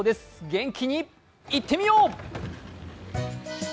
元気にいなってみよう！